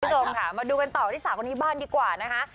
คุณผู้ชมค่ะมาดูกันต่อที่สาวคนนี้บ้างดีกว่านะคะ